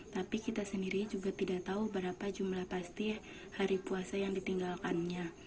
tapi kita sendiri juga tidak tahu berapa jumlah pasti hari puasa yang ditinggalkannya